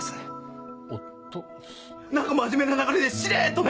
おと何か真面目な流れでしれっとね。